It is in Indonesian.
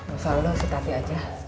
masalah lo si tati aja